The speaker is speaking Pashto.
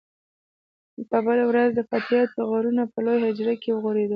په بله ورځ د فاتحې ټغرونه په لویه حجره کې وغوړېدل.